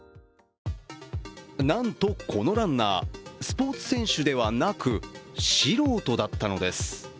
なんとこのランナー、スポーツ選手ではなく素人だったのです。